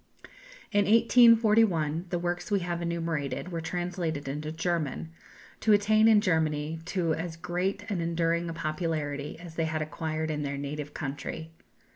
In 1841 the works we have enumerated were translated into German, to attain in Germany to as great and enduring a popularity as they had acquired in their native country.